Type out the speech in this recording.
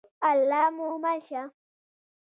الله ج مو مل شه.